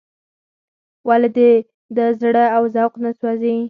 ولې د ده زړه او ذوق نه سوزي.